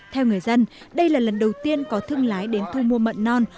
theo người dân đây là lần đầu tiên có thương lái đến thu mua mận non